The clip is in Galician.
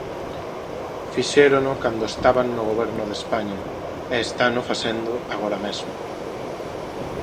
Fixérono cando estaban no Goberno de España, e estano facendo agora mesmo.